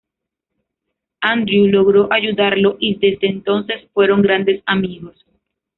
Andrew logró ayudarlo y desde entonces fueron grandes amigos.